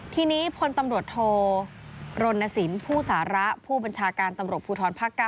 ทีนี้พลตำรวจโทรรณสินผู้สาระผู้บัญชาการตำรวจภูทรภาค๙